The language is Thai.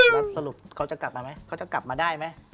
แล้วสรุปเขาจะกลับมาไหม